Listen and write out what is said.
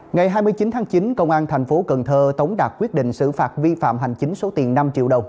ngày hai mươi chín tháng chín công an thành phố cần thơ tống đạt quyết định xử phạt vi phạm hành chính số tiền năm triệu đồng